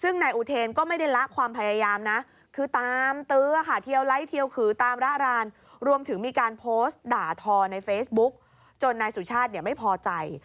นายสุชาติไม่พอใจ